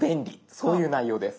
そういう内容です。